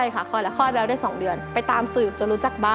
ไม่ค่ะ